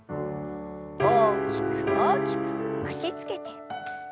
大きく大きく巻きつけて。